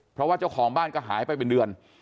เพราะว่าเจ้าของบ้านก็หายไปเป็นเดือน